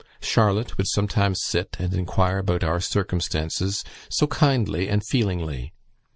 Charlotte sometimes would sit and inquire about our circumstances so kindly and feelingly!